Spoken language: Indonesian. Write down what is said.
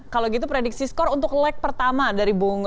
kalau gitu prediksi skor untuk leg pertama dari bung